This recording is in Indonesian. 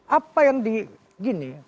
apa yang di gini